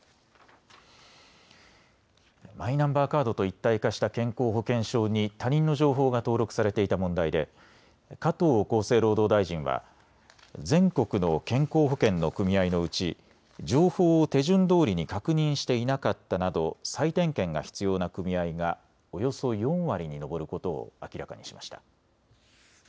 マイナンバーカードと一体化した健康保険証に他人の情報が登録されていた問題で加藤厚生労働大臣は全国の健康保険の組合のうち情報を手順どおりに確認していなかったなど再点検が必要な組合がおよそ４割に上ることを明らかにしました。